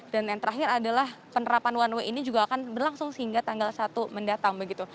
dan yang terakhir adalah penerapan one way ini juga akan berlangsung sehingga tanggal satu mendatang